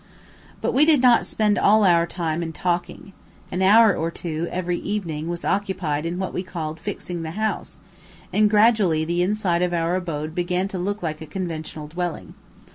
But we did not spend all our spare time in talking. An hour or two, every evening was occupied in what we called "fixing the house," and gradually the inside of our abode began to look like a conventional dwelling.